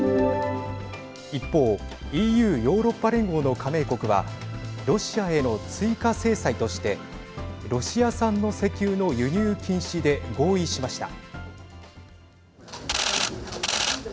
一方、ＥＵ＝ヨーロッパ連合の加盟国はロシアへの追加制裁としてロシア産の石油の輸入禁止で合意しました。